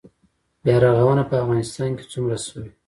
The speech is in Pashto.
بیا رغونه په افغانستان کې څومره شوې؟